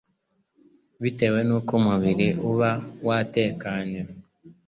bitewe n'uko umubiri uba watekanye.